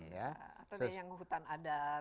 atau yang hutan adat